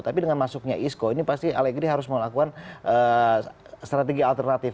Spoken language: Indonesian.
tapi dengan masuknya isco ini pasti allegri harus melakukan strategi alternatif